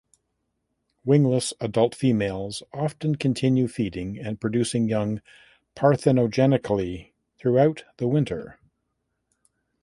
Wingless adult females often continue feeding and producing young parthenogenetically throughout the winter.